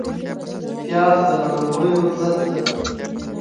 پیاز د ناروغیو ضد ده